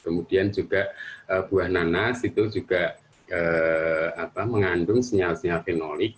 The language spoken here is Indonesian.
kemudian juga buah nanas itu juga mengandung senyal senyal fenolik